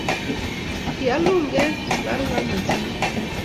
Kial ungek, sukaruk ago machanik